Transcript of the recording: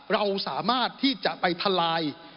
เราสามารถที่จะไปทลาย